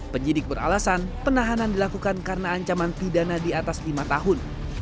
penyidik beralasan penahanan dilakukan karena ancaman pidana di atas lima tahun